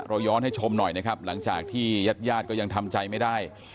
ย้อนให้ชมหน่อยนะครับหลังจากที่ญาติญาติก็ยังทำใจไม่ได้